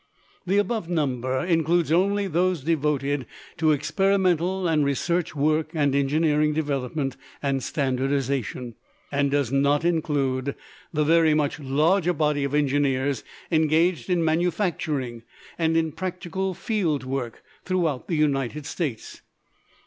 The above number includes only those devoted to experimental and research work and engineering development and standardization, and does not include the very much larger body of engineers engaged in manufacturing and in practical field work throughout the United States.